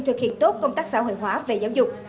thực hiện tốt công tác xã hội hóa về giáo dục